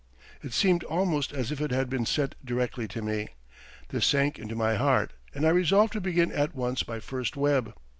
It seemed almost as if it had been sent directly to me. This sank into my heart, and I resolved to begin at once my first web.